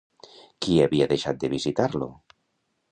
Qui havia deixat de visitar-lo?